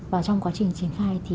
và trong quá trình triển khai